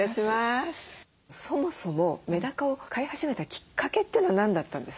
そもそもメダカを飼い始めたきっかけというのは何だったんですか？